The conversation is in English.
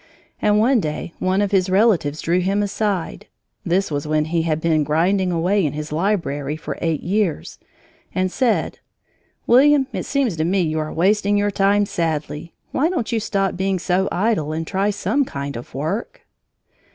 And one day one of his relatives drew him aside (this was when he had been grinding away in his library for eight years) and said: "William, it seems to me you are wasting your time sadly. Why don't you stop being so idle and try some kind of work?"